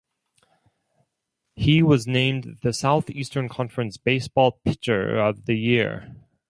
He was named the Southeastern Conference Baseball Pitcher of the Year.